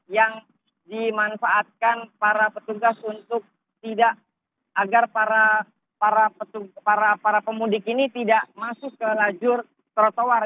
yang dimanfaatkan para petugas untuk tidak agar para pemudik ini tidak masuk ke lajur trotoar